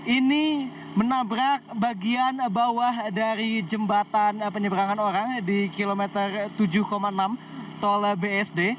ini menabrak bagian bawah dari jembatan penyeberangan orang di kilometer tujuh enam tol bsd